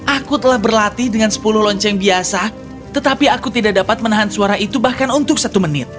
aku telah berlatih dengan sepuluh lonceng biasa tetapi aku tidak dapat menahan suara itu bahkan untuk satu menit